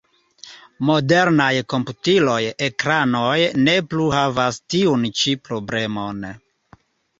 Modernaj komputilaj ekranoj ne plu havas tiun ĉi problemon.